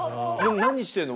何してんの？